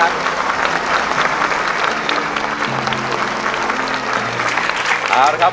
ดีใจไหมครับ